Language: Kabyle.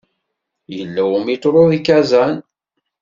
Yella umiṭru deg Kazan.